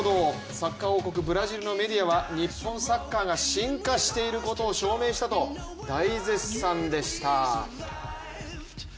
サッカー王国・ブラジルのメディアは日本サッカーが進化していることを証明したと大絶賛でした。